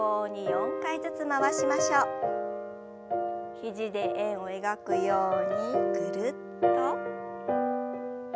肘で円を描くようにぐるっと。